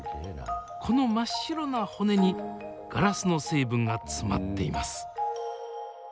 この真っ白な骨にガラスの成分が詰まっています。